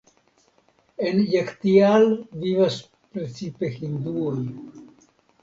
En Jagtial vivas precipe hinduoj.